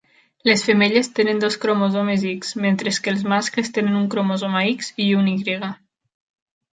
Les femelles tenen dos cromosomes X, mentre que els mascles tenen un cromosoma X i un Y.